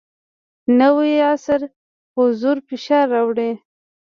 نوی عصر حضور فشار راوړی.